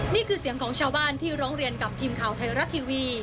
นี่คือเสียงของชาวบ้านที่ร้องเรียนกับทีมข่าวไทยรัฐทีวี